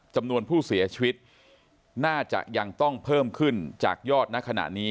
จำนวนผู้เสียชีวิตน่าจะยังต้องเพิ่มขึ้นจากยอดณขณะนี้